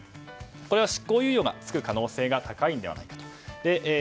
これは執行猶予がつく可能性が高いのではないかと。